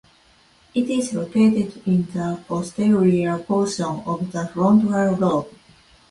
It is located in the posterior portion of the frontal lobe.